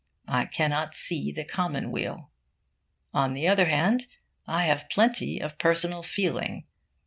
I cannot see the commonweal. On the other hand, I have plenty of personal feeling.